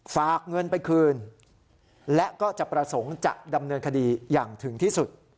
ฝากเงินไปคืนและก็จะประสงค์จะดำเนินคดีอย่างถึงที่สุด